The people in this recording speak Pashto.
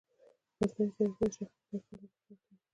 مصنوعي ځیرکتیا د شخصي زده کړې ملاتړ کوي.